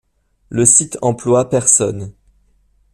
Le site emploie personnes.